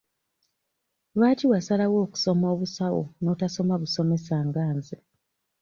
Lwaki wasalawo okusoma obusawo n'otasoma busomesa nga nze?